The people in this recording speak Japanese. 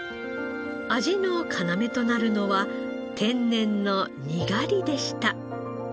味の要となるのは天然のにがりでした。